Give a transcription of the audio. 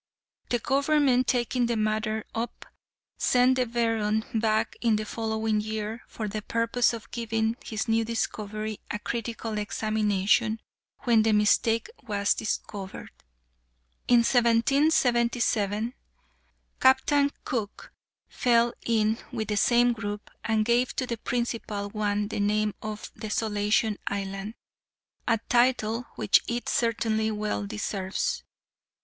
The government, taking the matter up, sent the baron back in the following year for the purpose of giving his new discovery a critical examination, when the mistake was discovered. In 1777, Captain Cook fell in with the same group, and gave to the principal one the name of Desolation Island, a title which it certainly well deserves.